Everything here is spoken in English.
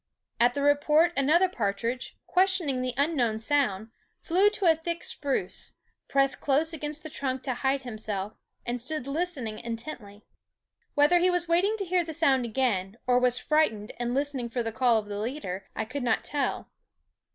At the report another partridge, question ing the unknown sound, flew to a thick spruce, pressed close against the trunk to hide himself, and stood listening intently. Whether he was waiting to hear the sound again, or was frightened and listening for the call of the leader, I could not tell.